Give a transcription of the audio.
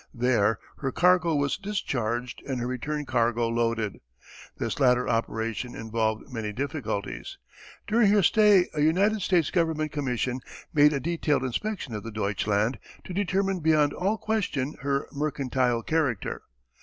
There her cargo was discharged and her return cargo loaded. This latter operation involved many difficulties. During her stay a United States Government Commission made a detailed inspection of the Deutschland to determine beyond all question her mercantile character.